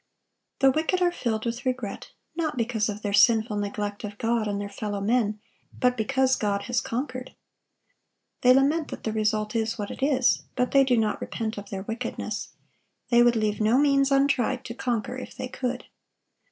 The wicked are filled with regret, not because of their sinful neglect of God and their fellow men, but because God has conquered. They lament that the result is what it is; but they do not repent of their wickedness. They would leave no means untried to conquer if they could.